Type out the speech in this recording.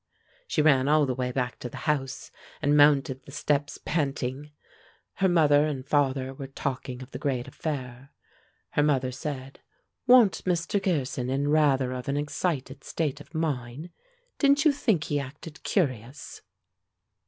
She ran all the way back to the house, and mounted the steps panting. Her mother and father were talking of the great affair. Her mother said: "Wa'n't Mr. Gearson in rather of an excited state of mind? Didn't you think he acted curious?"